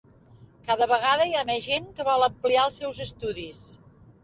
Cada vegada hi ha més gent que vol ampliar els seus estudis.